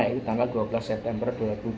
yaitu tanggal dua belas september dua ribu dua puluh